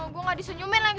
gue gak disenyumin lagi